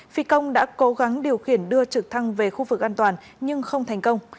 phi công đã cố gắng điều khiển đưa trực thăng về khu vực an toàn nhưng không thành công